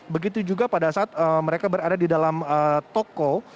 begitu juga pada saat mereka berada di dalam toko